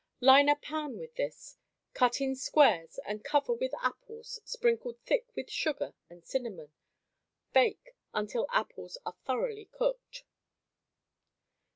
Line a pan with this, cut in squares and cover with apples sprinkled thick with sugar and cinnamon. Bake until apples are thoroughly cooked.